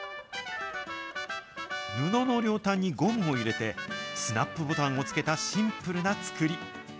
布の両端にゴムを入れて、スナップボタンを付けたシンプルな作り。